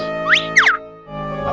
iya pak usat